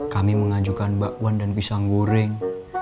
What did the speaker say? kami mengajukan bakwan dan pisang goreng